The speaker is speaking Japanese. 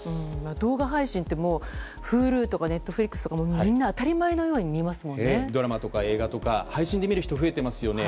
動画配信ってＨｕｌｕとかＮｅｔｆｌｉｘとかみんな当たり前のようにドラマとか、映画とか配信で見る人増えていますよね。